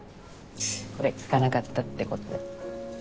これ聞かなかったってことで。